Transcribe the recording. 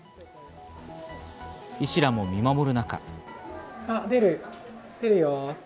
医師らも見守る中。